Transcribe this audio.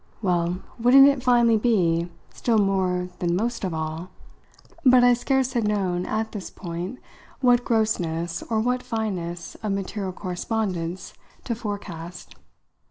Well, wouldn't it finally be, still more than most of all ? But I scarce had known, at this point, what grossness or what fineness of material correspondence to forecast.